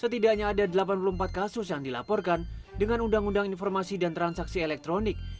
setidaknya ada delapan puluh empat kasus yang dilaporkan dengan undang undang informasi dan transaksi elektronik